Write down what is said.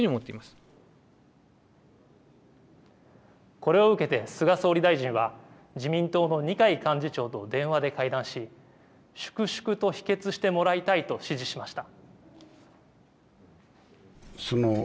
これを受けて菅総理大臣は自民党の二階幹事長と電話で会談し、粛々と否決してもらいたいと指示しました。